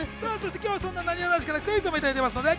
今日はそんななにわ男子の皆さんからクイズをいただいています。